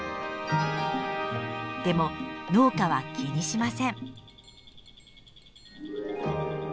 でも農家は気にしません。